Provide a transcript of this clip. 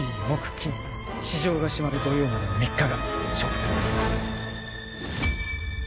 金市場が閉まる土曜までの３日が勝負です